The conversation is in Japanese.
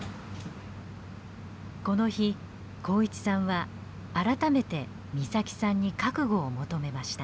この日幸一さんは改めて岬さんに覚悟を求めました。